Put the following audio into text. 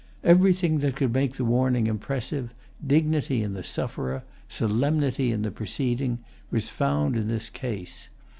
Everything that could make the warning impressive, dignity in the sufferer, solemnity in the proceeding, was found in this case.